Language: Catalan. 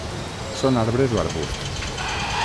Són arbres o arbusts.